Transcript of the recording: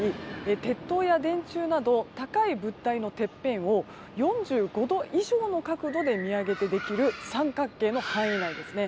鉄塔や電柱など高い物体のてっぺんを４５度以上の角度で見上げてできる三角形の範囲内ですね。